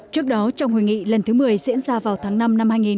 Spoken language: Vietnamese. trước đó trong hội nghị lần thứ một mươi diễn ra vào tháng năm năm hai nghìn hai mươi